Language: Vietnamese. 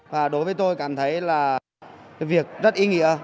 và đối với tôi cảm thấy là cái việc rất ý nghĩa